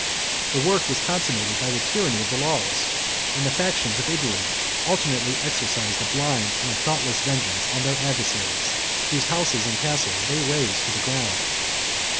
The work was consummated by the tyranny of the laws; and the factions of Italy alternately exercised a blind and thoughtless vengeance on their adversaries, whose houses and castles they razed to the ground.